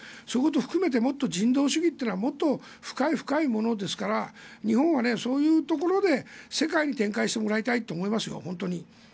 そういうことを含めてもっと人道主義というのは深いものですから日本はそういうところで世界に展開してもらいたいと思いますよ。